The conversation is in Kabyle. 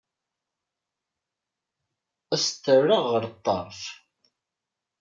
Ad s-t-rreɣ ɣer ṭṭerf.